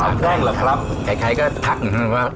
ใครก็ทักเหมือนกันว่า